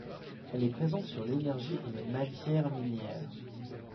Elle est présente sur l'énergie et les matières minières.